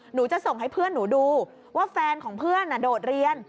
หนูจะส่งให้เพื่อนหนูดูว่าแฟนของเพื่อนโดดเรียน